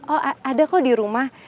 oh ada kok dirumah